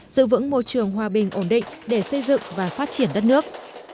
giữ vững môi trường hòa bình ổn định để xây dựng và phát triển đất nước